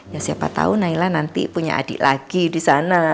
ya siapa tau naila nanti punya adik lagi disana